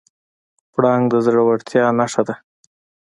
پړانګ د زړورتیا نښه ده.